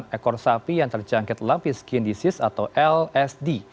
sembilan ekor sapi yang terjangkit lampiskin disease atau lsd